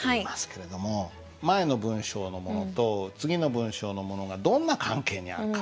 前の文章のものと次の文章のものがどんな関係にあるか？